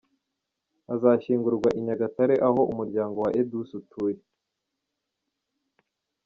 Azashyingurwa i Nyagatare aho umuryango wa Edouce utuye.